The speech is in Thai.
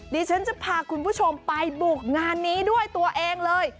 ดิฉันจะพาคุณผู้ชมไปบุกงานนี้ด้วยตัวเองเลย